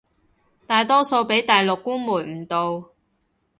大多數畀大陸官媒誤導